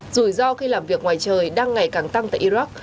rủi ro khi làm việc ngoài trời đang ngày càng tăng tại iraq